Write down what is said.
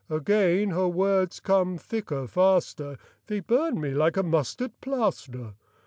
Again her words come thicker, faster, They burn me like a mustard plaster.